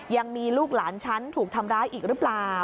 ยังมีลูกหลานฉันถูกทำร้ายอีกหรือเปล่า